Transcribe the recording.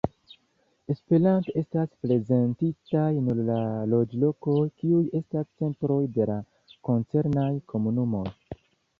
Esperante estas prezentitaj nur la loĝlokoj, kiuj estas centroj de la koncernaj komunumoj.